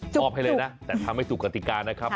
ให้เลยนะแต่ทำให้ถูกกติกานะครับ